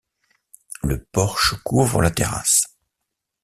le porche couvre la terrasse